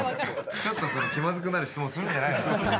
ちょっと気まずくなる質問するんじゃないよ。